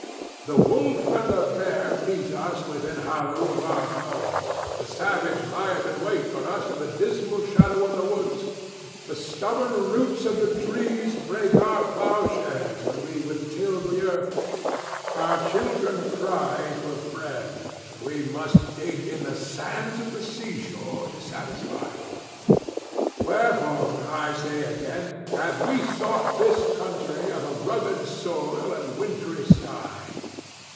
The wolf and the bear meet us within halloo of our dwellings. The savage lieth in wait for us in the dismal shadow of the woods. The stubborn roots of the trees break our ploughshares when we would till the earth. Our children cry for bread, and we must dig in the sands of the seashore to satisfy them. Wherefore, I say again, have we sought this country of a rugged soil and wintry sky?